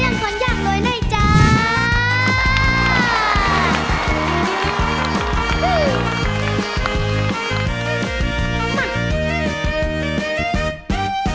เอาละห้างหน่อยถอยนิดจากน้องเปลื้ม